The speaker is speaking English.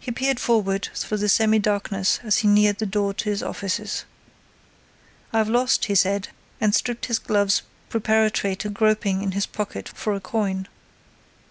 He peered forward through the semi darkness as he neared the door of his offices. "I've lost," he said, and stripped his gloves preparatory to groping in his pocket for a coin.